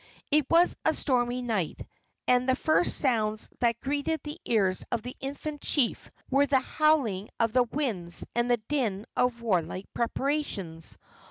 It was a stormy night, and the first sounds that greeted the ears of the infant chief were the howling of the winds and the din of warlike preparations.